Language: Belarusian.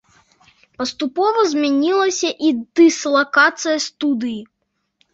Паступова змянілася і дыслакацыя студыі.